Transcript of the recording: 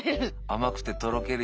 甘くてとろけるような。